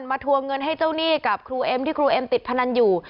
ทวงเงินให้เจ้าหนี้กับครูเอ็มที่ครูเอ็มติดพนันอยู่